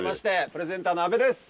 プレゼンターの阿部です。